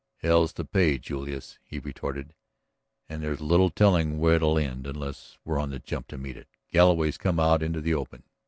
"Hell's to pay, Julius," he retorted. "And there's little telling where it'll end unless we're on the jump to meet it. Galloway's come out into the open.